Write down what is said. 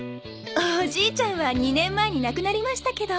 おじいちゃんは２年前に亡くなりましたけど。